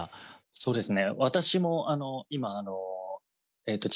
そうですね。